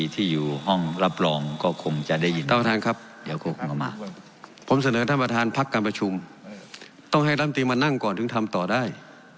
ต้องให้รัฐมนตรีมานั่งก่อนถึงทำต่อได้